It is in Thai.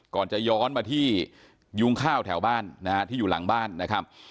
ก่อนจะย้อนมาที่ยุงข้าวแถวบ้านนะฮะที่อยู่หลังบ้านนะครับ